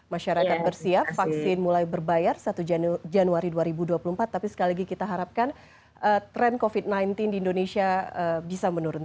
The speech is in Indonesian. masyarakat bersiap vaksin mulai berbayar satu januari dua ribu dua puluh empat tapi sekali lagi kita harapkan tren covid sembilan belas di indonesia bisa menurun